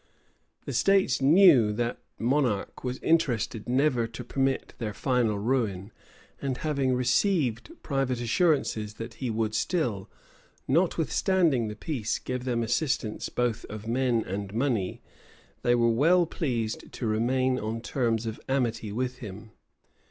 The states knew that that monarch was interested never to permit their final ruin; and having received private assurances that he would still, notwithstanding the peace, give them assistance both of men and money, they were well pleased to remain on terms of amity with him.